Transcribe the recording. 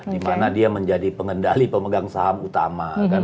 dimana dia menjadi pengendali pemegang saham utama